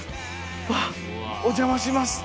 わぁお邪魔します。